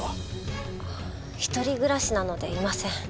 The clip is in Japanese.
一人暮らしなのでいません。